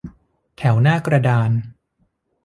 แถวหน้ากระดาน